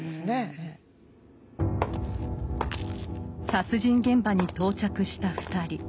殺人現場に到着した２人。